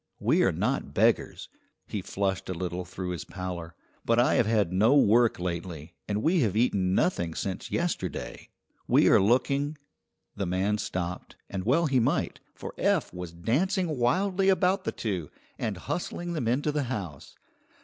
We are not beggars" he flushed a little through his pallor "but I have had no work lately, and we have eaten nothing since yesterday. We are looking " The man stopped, and well he might, for Eph was dancing wildly about the two, and hustling them into the house.